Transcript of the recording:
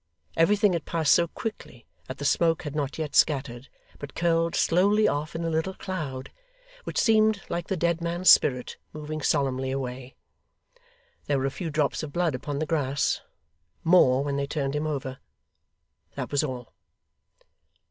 Everything had passed so quickly, that the smoke had not yet scattered, but curled slowly off in a little cloud, which seemed like the dead man's spirit moving solemnly away. There were a few drops of blood upon the grass more, when they turned him over that was all.